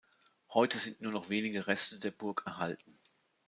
Heute sind nur noch wenige Reste der Burg erhalten.